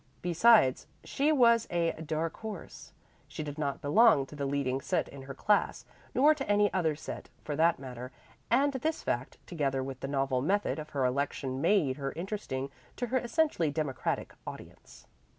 Besides, she was a "dark horse"; she did not belong to the leading set in her class, nor to any other set, for that matter, and this fact, together with the novel method of her election made her interesting to her essentially democratic audience.